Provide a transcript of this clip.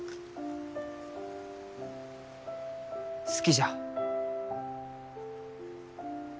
好きじゃ。